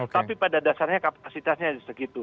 tapi pada dasarnya kapasitasnya segitu